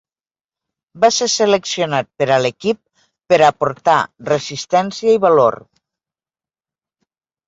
Va ser seleccionat per a l'equip per aportar resistència i valor.